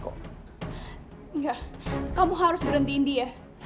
engga kamu harus berhentiin dia